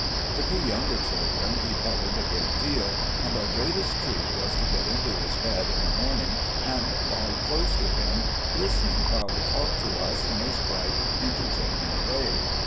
The two younger children he petted a great deal, and our greatest treat was to get into his bed in the morning and lie close to him, listening while he talked to us in his bright, entertaining way.